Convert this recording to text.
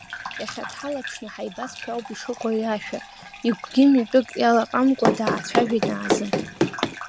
Иахьа дҳалаԥшны ҳаибазшәа ауп ишыҟоу ари ашәа, игәгьы митәык иалаҟамкәа даацәажәеит Наазым.